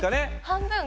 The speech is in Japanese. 半分？